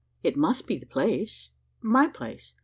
"It must be the place my place?